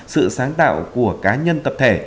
sự sáng tạo của cá nhân tập thể